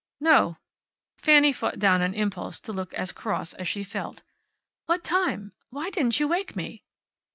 "No." Fanny fought down an impulse to look as cross as she felt. "What time? Why didn't you wake me?"